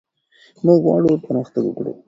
موږ غواړو پرمختګ وکړو.